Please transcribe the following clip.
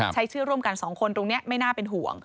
ใช้ชื่อร่วมกัน๒คนตรงนี้ไม่น่าเป็นห่วง